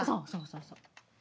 そうそう。